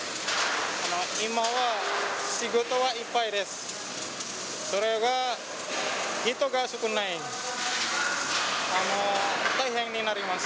今は仕事はいっぱいです。